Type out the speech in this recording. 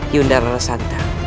yunda rara santang